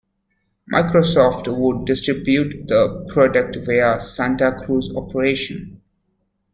Microsoft would distribute the product via Santa Cruz Operation.